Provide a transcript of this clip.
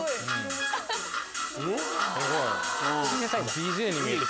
ＤＪに見える。